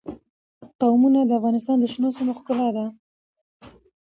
قومونه د افغانستان د شنو سیمو ښکلا ده.